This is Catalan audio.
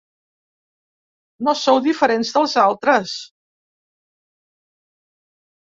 No sou diferents dels altres.